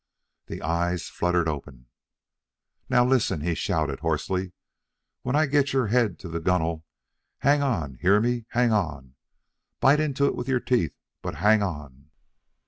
The eyes fluttered open. "Now listen!" he shouted hoarsely. "When I get your head to the gunwale, hang on! Hear me? Hang on! Bite into it with your teeth, but HANG ON!"